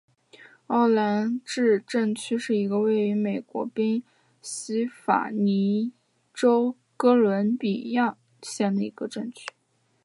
奥兰治镇区是一个位于美国宾夕法尼亚州哥伦比亚县的一个镇区。